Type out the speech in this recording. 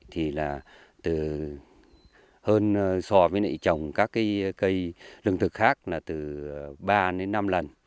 thì là hơn so với trồng các cây lương thực khác là từ ba năm lần